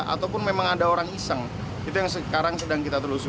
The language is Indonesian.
ataupun memang ada orang iseng itu yang sekarang sedang kita telusuri